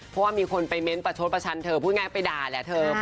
เพราะว่ามีคนไปเม้นประชดประชันเธอพูดง่ายไปด่าแหละเธอ